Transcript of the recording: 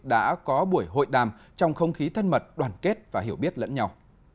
đã có buổi hội đàm trong không khí thân mật đoàn kết và hiểu biết lẫn nhau